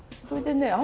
それでね